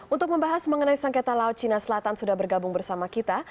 untuk membahas mengenai sengketa laut cina selatan sudah bergabung bersama kita